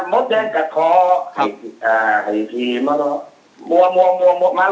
มดแดงกัดคอให้พี่มารอ